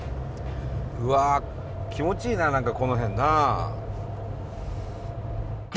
うわ気持ちいいな何かこの辺なあ。